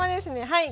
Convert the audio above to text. はい。